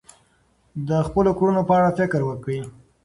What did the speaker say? د خپلو کړنو په اړه فکر وکړئ.